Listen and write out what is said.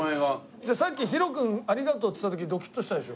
じゃあさっき「ヒロ君ありがとう」っつった時ドキッとしたでしょ？